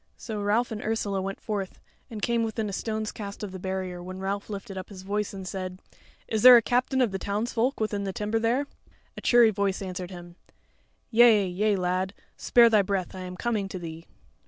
So Ralph and Ursula went forth, and came within a stone's cast of the barrier, when Ralph lifted up his voice and said: "Is there a captain of the townsfolk within the timber there?" A cheery voice answered him: "Yea, yea, lad; spare thy breath; I am coming to thee."